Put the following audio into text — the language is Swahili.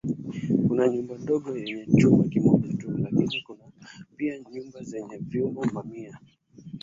Kuna nyumba ndogo yenye chumba kimoja tu lakini kuna pia nyumba zenye vyumba mamia.